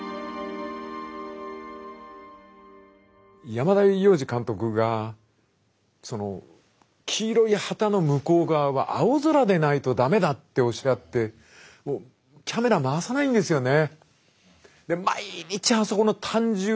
山田洋次監督が黄色い旗の向こう側は青空でないと駄目だっておっしゃってもうキャメラ回さないんですよね。